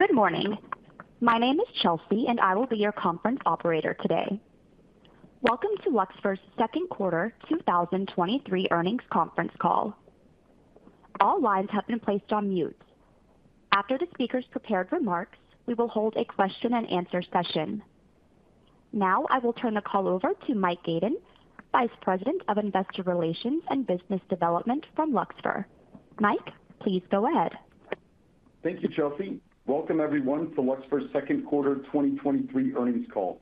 Good morning. My name is Chelsea, and I will be your conference operator today. Welcome to Luxfer's second quarter 2023 earnings conference call. All lines have been placed on mute. After the speaker's prepared remarks, we will hold a question-and-answer session. Now, I will turn the call over to Mike Gaiden, Vice President of Investor Relations and Business Development from Luxfer. Mike, please go ahead. Thank you, Chelsea. Welcome, everyone, to Luxfer's second quarter 2023 earnings call.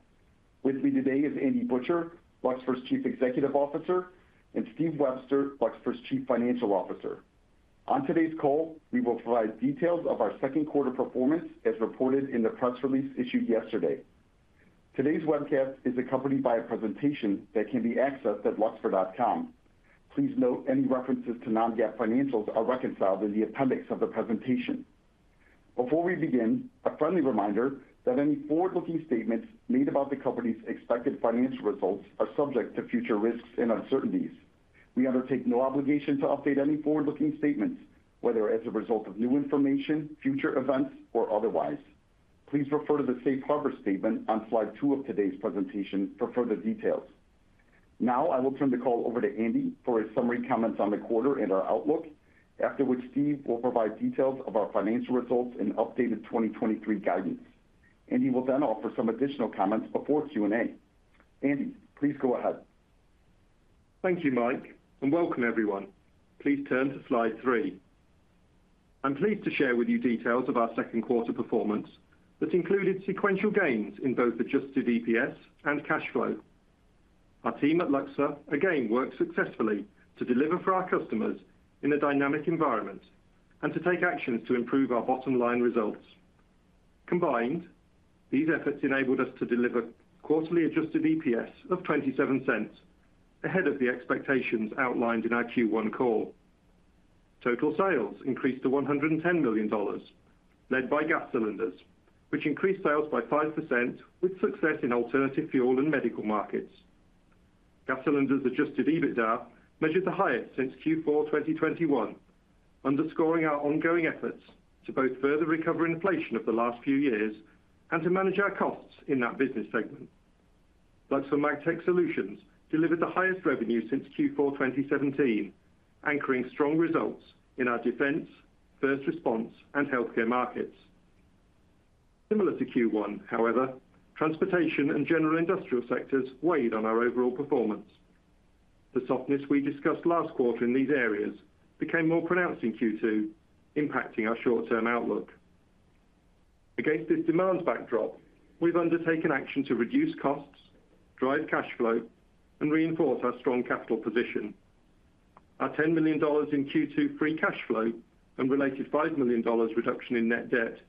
With me today is Andy Butcher, Luxfer's Chief Executive Officer, and Steve Webster, Luxfer's Chief Financial Officer. On today's call, we will provide details of our second quarter performance, as reported in the press release issued yesterday. Today's webcast is accompanied by a presentation that can be accessed at www.luxfer.com. Please note, any references to non-GAAP financials are reconciled in the appendix of the presentation. Before we begin, a friendly reminder that any forward-looking statements made about the company's expected financial results are subject to future risks and uncertainties. We undertake no obligation to update any forward-looking statements, whether as a result of new information, future events, or otherwise. Please refer to the safe harbor statement on slide two of today's presentation for further details. I will turn the call over to Andy for his summary comments on the quarter and our outlook. After which, Steve will provide details of our financial results and updated 2023 guidance. Andy will then offer some additional comments before Q&A. Andy, please go ahead. Thank you, Mike. Welcome everyone. Please turn to slide three. I'm pleased to share with you details of our second quarter performance that included sequential gains in both adjusted EPS and cash flow. Our team at Luxfer again worked successfully to deliver for our customers in a dynamic environment and to take actions to improve our bottom-line results. Combined, these efforts enabled us to deliver quarterly adjusted EPS of $0.27, ahead of the expectations outlined in our Q1 call. Total sales increased to $110 million, led by Gas Cylinders, which increased sales by 5%, with success in alternative fuel and medical markets. Gas Cylinders adjusted EBITDA measured the highest since Q4 2021, underscoring our ongoing efforts to both further recover inflation of the last few years and to manage our costs in that business segment. Luxfer Magtech Solutions delivered the highest revenue since Q4 2017, anchoring strong results in our defense, first response, and healthcare markets. Similar to Q1, however, transportation and general industrial sectors weighed on our overall performance. The softness we discussed last quarter in these areas became more pronounced in Q2, impacting our short-term outlook. Against this demand backdrop, we've undertaken action to reduce costs, drive cash flow, and reinforce our strong capital position. Our $10 million in Q2 free cash flow and related $5 million reduction in net debt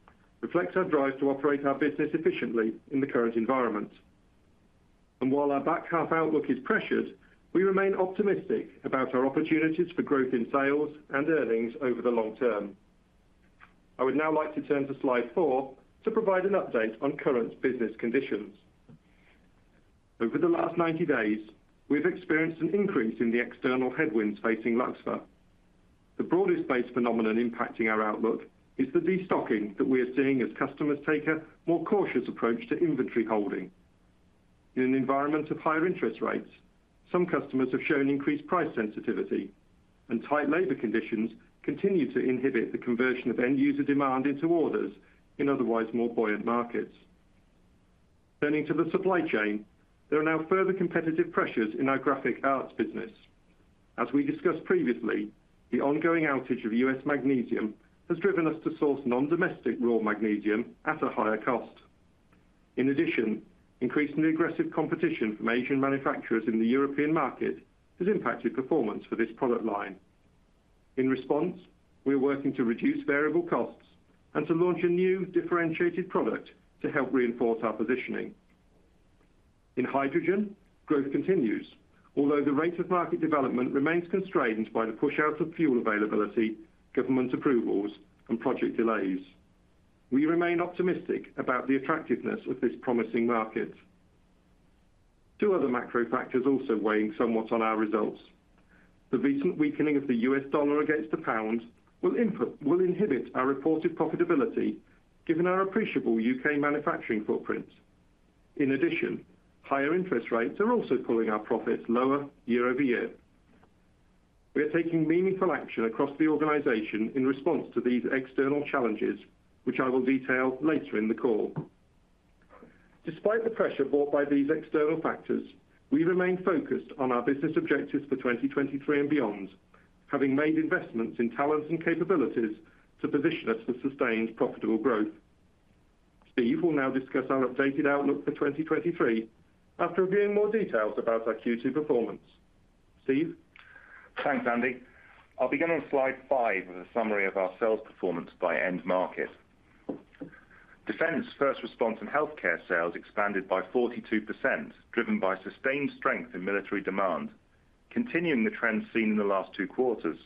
reflects our drive to operate our business efficiently in the current environment. While our back half outlook is pressured, we remain optimistic about our opportunities for growth in sales and earnings over the long term. I would now like to turn to slide four to provide an update on current business conditions. Over the last 90 days, we've experienced an increase in the external headwinds facing Luxfer. The broadest-based phenomenon impacting our outlook is the destocking that we are seeing as customers take a more cautious approach to inventory holding. In an environment of higher interest rates, some customers have shown increased price sensitivity, and tight labor conditions continue to inhibit the conversion of end user demand into orders in otherwise more buoyant markets. Turning to the supply chain, there are now further competitive pressures in our Graphic Arts business. As we discussed previously, the ongoing outage of US Magnesium has driven us to source non-domestic raw magnesium at a higher cost. In addition, increasingly aggressive competition from Asian manufacturers in the European market has impacted performance for this product line. In response, we are working to reduce variable costs and to launch a new differentiated product to help reinforce our positioning. In hydrogen, growth continues, although the rate of market development remains constrained by the push out of fuel availability, government approvals, and project delays. We remain optimistic about the attractiveness of this promising market. Two other macro factors also weighing somewhat on our results. The recent weakening of the US dollar against the pound will inhibit our reported profitability, given our appreciable U.K. manufacturing footprint. In addition, higher interest rates are also pulling our profits lower year-over-year. We are taking meaningful action across the organization in response to these external challenges, which I will detail later in the call. Despite the pressure brought by these external factors, we remain focused on our business objectives for 2023 and beyond, having made investments in talents and capabilities to position us for sustained, profitable growth. Steve will now discuss our updated outlook for 2023 after reviewing more details about our Q2 performance. Steve? Thanks, Andy. I'll begin on slide five with a summary of our sales performance by end market. Defense, first response, and healthcare sales expanded by 42%, driven by sustained strength in military demand, continuing the trend seen in the last two quarters.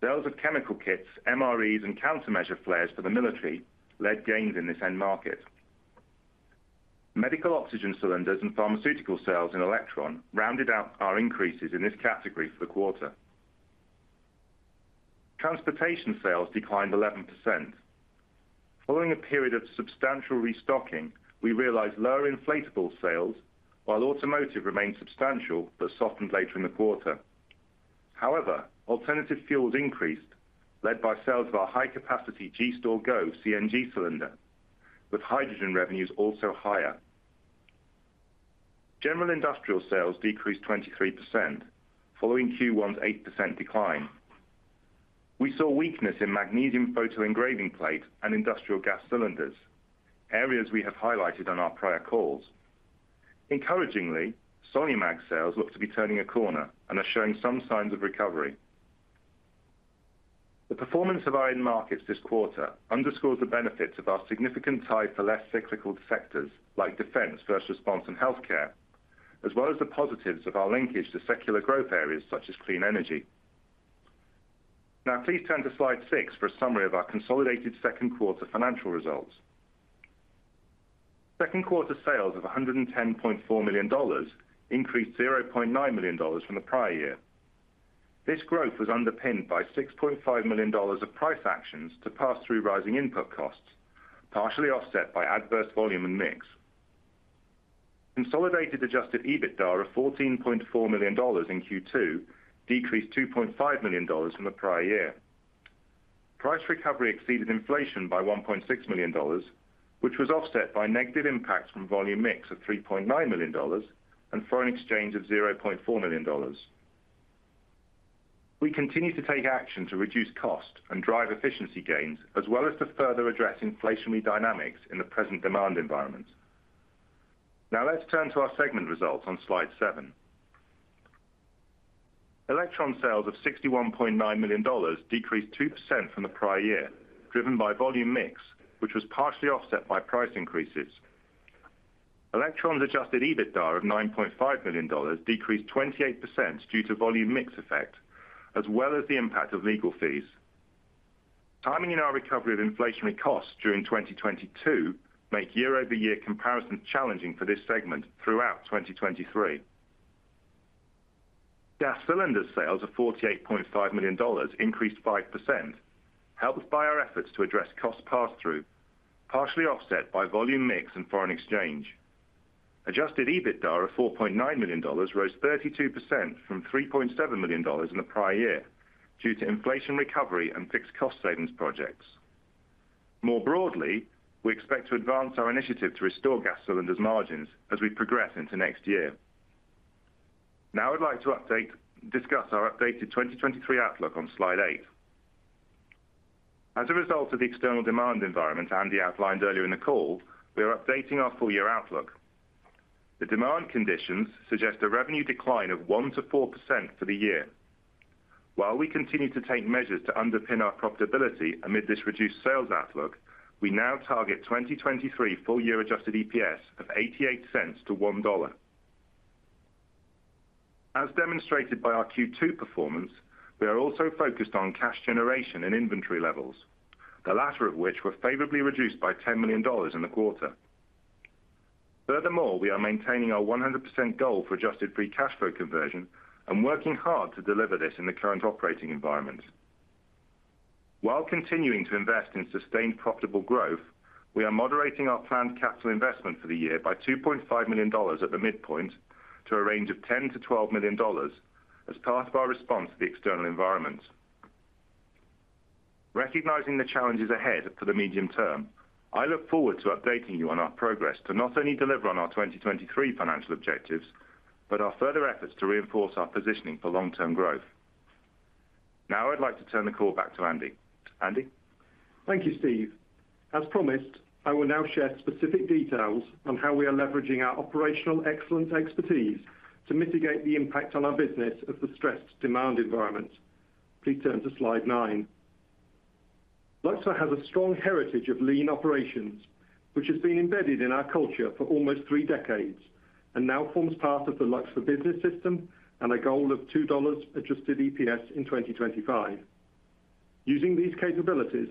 Sales of chemical kits, MREs, and countermeasure flares for the military led gains in this end market. Medical oxygen cylinders and pharmaceutical sales in Elektron rounded out our increases in this category for the quarter. Transportation sales declined 11%. Following a period of substantial restocking, we realized lower inflatable sales, while automotive remained substantial, but softened later in the quarter. Alternative fuels increased, led by sales of our high-capacity G-Stor Go CNG cylinder, with hydrogen revenues also higher. General industrial sales decreased 23%, following Q1's 8% decline. We saw weakness in magnesium photoengraving plate and industrial gas cylinders, areas we have highlighted on our prior calls. Encouragingly, SoluMag sales look to be turning a corner and are showing some signs of recovery. The performance of our end markets this quarter underscores the benefits of our significant tie for less cyclical sectors, like defense, first response, and healthcare, as well as the positives of our linkage to secular growth areas such as clean energy. Please turn to slide six for a summary of our consolidated second quarter financial results. Second quarter sales of $110.4 million increased $0.9 million from the prior year. This growth was underpinned by $6.5 million of price actions to pass through rising input costs, partially offset by adverse volume and mix. Consolidated adjusted EBITDA of $14.4 million in Q2 decreased $2.5 million from the prior year. Price recovery exceeded inflation by $1.6 million, which was offset by negative impacts from volume mix of $3.9 million and foreign exchange of $0.4 million. We continue to take action to reduce cost and drive efficiency gains, as well as to further address inflationary dynamics in the present demand environment. Let's turn to our segment results on slide seven. Elektron sales of $61.9 million decreased 2% from the prior year, driven by volume mix, which was partially offset by price increases. Elektron's adjusted EBITDA of $9.5 million decreased 28% due to volume mix effect, as well as the impact of legal fees. Timing in our recovery of inflationary costs during 2022 make year-over-year comparison challenging for this segment throughout 2023. Gas Cylinders sales of $48.5 million increased 5%, helped by our efforts to address cost pass-through, partially offset by volume mix and foreign exchange. adjusted EBITDA of $4.9 million rose 32% from $3.7 million in the prior year due to inflation recovery and fixed cost savings projects. Broadly, we expect to advance our initiative to restore Gas Cylinders margins as we progress into next year. I'd like to discuss our updated 2023 outlook on slide eight. As a result of the external demand environment Andy outlined earlier in the call, we are updating our full year outlook. The demand conditions suggest a revenue decline of 1%-4% for the year. While we continue to take measures to underpin our profitability amid this reduced sales outlook, we now target 2023 full year adjusted EPS of $0.88-$1.00. As demonstrated by our Q2 performance, we are also focused on cash generation and inventory levels, the latter of which were favorably reduced by $10 million in the quarter. Furthermore, we are maintaining our 100% goal for adjusted free cash flow conversion and working hard to deliver this in the current operating environment. While continuing to invest in sustained profitable growth, we are moderating our planned capital investment for the year by $2.5 million at the midpoint to a range of $10 million-$12 million as part of our response to the external environment. Recognizing the challenges ahead for the medium term, I look forward to updating you on our progress to not only deliver on our 2023 financial objectives, but our further efforts to reinforce our positioning for long-term growth. I'd like to turn the call back to Andy. Andy? Thank you, Steve. As promised, I will now share specific details on how we are leveraging our operational excellence expertise to mitigate the impact on our business of the stressed demand environment. Please turn to slide nine. Luxfer has a strong heritage of lean operations, which has been embedded in our culture for almost three decades and now forms part of the Luxfer Business System and a goal of $2 adjusted EPS in 2025. Using these capabilities,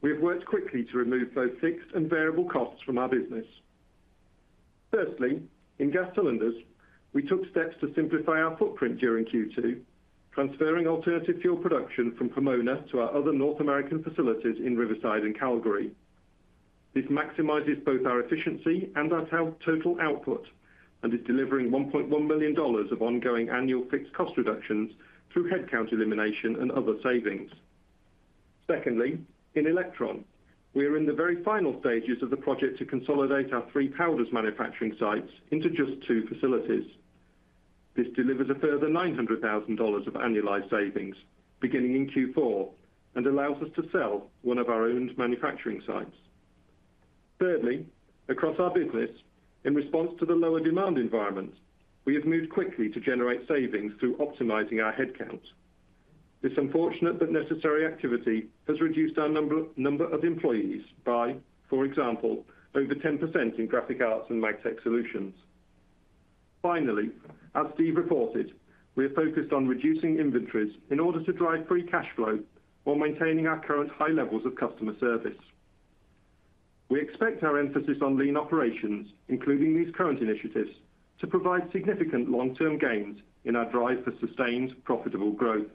we have worked quickly to remove both fixed and variable costs from our business. Firstly, in Gas Cylinders, we took steps to simplify our footprint during Q2, transferring alternative fuel production from Pomona to our other North American facilities in Riverside and Calgary. This maximizes both our efficiency and our total output and is delivering $1.1 million of ongoing annual fixed cost reductions through headcount elimination and other savings. Secondly, in Elektron, we are in the very final stages of the project to consolidate our three powders manufacturing sites into just two facilities. This delivers a further $900,000 of annualized savings beginning in Q4 and allows us to sell one of our owned manufacturing sites. Thirdly, across our business, in response to the lower demand environment, we have moved quickly to generate savings through optimizing our headcount. This unfortunate but necessary activity has reduced our number of employees by, for example, over 10% in Graphic Arts and Magtech Solutions. Finally, as Steve reported, we are focused on reducing inventories in order to drive free cash flow while maintaining our current high levels of customer service. We expect our emphasis on lean operations, including these current initiatives, to provide significant long-term gains in our drive for sustained, profitable growth.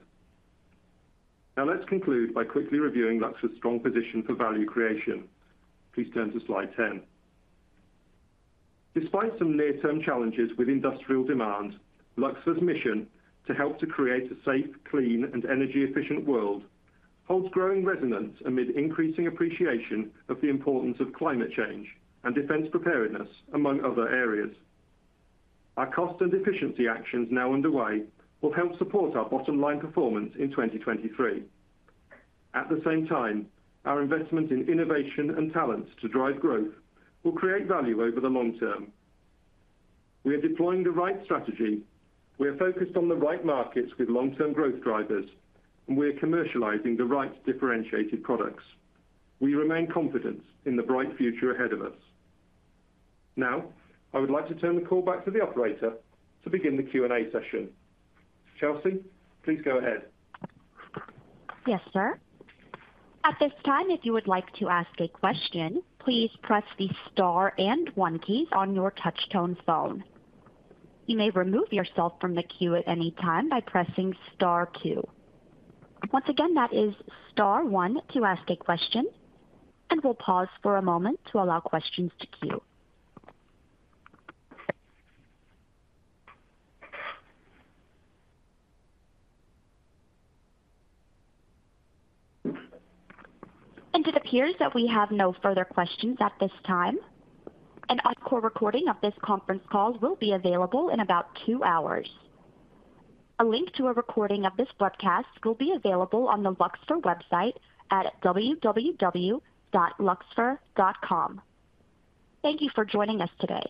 Let's conclude by quickly reviewing Luxfer's strong position for value creation. Please turn to slide 10. Despite some near-term challenges with industrial demand, Luxfer's mission to help to create a safe, clean, and energy-efficient world holds growing resonance amid increasing appreciation of the importance of climate change and defense preparedness, among other areas. Our cost and efficiency actions now underway will help support our bottom line performance in 2023. At the same time, our investment in innovation and talent to drive growth will create value over the long term. We are deploying the right strategy, we are focused on the right markets with long-term growth drivers, and we are commercializing the right differentiated products. We remain confident in the bright future ahead of us. Now, I would like to turn the call back to the operator to begin the Q&A session. Chelsea, please go ahead. Yes, sir. At this time, if you would like to ask a question, please press the star and one key on your touchtone phone. You may remove yourself from the queue at any time by pressing star two. Once again, that is star one to ask a question. We'll pause for a moment to allow questions to queue. It appears that we have no further questions at this time. An on-call recording of this conference call will be available in about 2 hours. A link to a recording of this broadcast will be available on the Luxfer website at www.luxfer.com. Thank you for joining us today.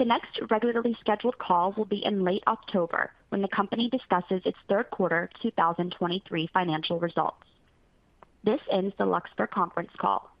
The next regularly scheduled call will be in late October, when the company discusses its third quarter 2023 financial results. This ends the Luxfer conference call.